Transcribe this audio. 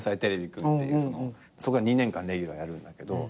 ２年間レギュラーやるんだけど。